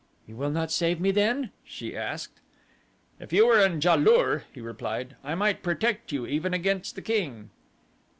"You will not save me then?" she asked. "If you were in Ja lur," he replied, "I might protect you, even against the king."